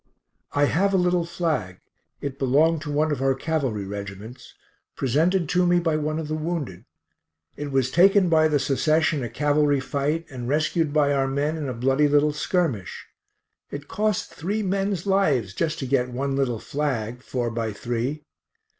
I have a little flag; it belonged to one of our cavalry reg'ts; presented to me by one of the wounded. It was taken by the Secesh in a cavalry fight, and rescued by our men in a bloody little skirmish. It cost three men's lives, just to get one little flag, four by three.